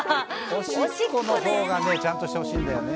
おしっこの方がねちゃんとしてほしいんだよね